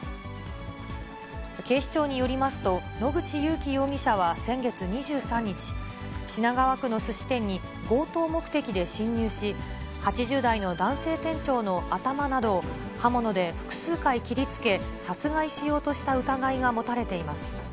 警視庁によりますと、野口勇樹容疑者は先月２３日、品川区のすし店に強盗目的で侵入し、８０代の男性店長の頭などを刃物で複数回切りつけ、殺害しようとした疑いが持たれています。